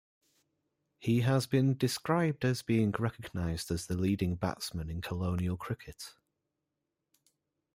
He has been described as being recognised as the leading batsman in colonial cricket.